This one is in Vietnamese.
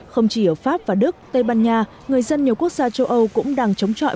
không chỉ ở pháp và đức tây ban nha người dân nhiều quốc gia châu âu cũng đang chống trọi